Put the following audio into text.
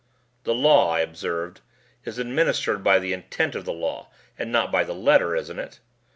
"The law," I observed, "is administered by the Intent of the Law, and not by the Letter, isn't it?"